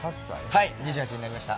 はい、２８になりました。